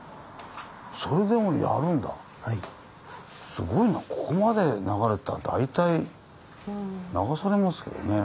すごいなここまで流れてたら大体流されますけどね。